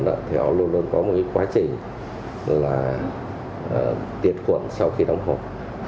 nó luôn có một quá trình tiệt quẩn sau khi đóng hộp